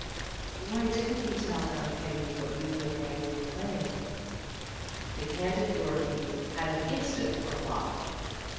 "Why didn't you tell Aunt Peggy what you and Annie were playing?" The candid Dorothy had an instant reply.